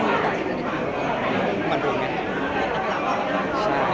ผมก็ยังอยากมาฟังหลังจาน